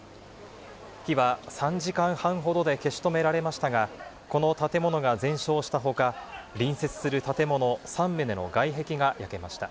火は３時間半ほどで消し止められましたが、この建物が全焼したほか、隣接する建物３棟の外壁が焼けました。